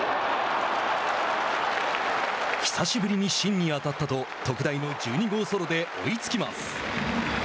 「久しぶりに芯に当たった」と特大の１２号ソロで追いつきます。